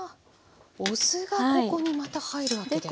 お酢がここにまた入るわけですか。